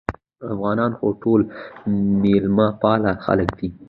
افغانان خو ټول مېلمه پاله خلک دي